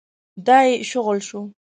دا يې شغل شو.